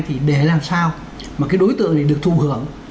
thì để làm sao mà cái đối tượng này được thụ hưởng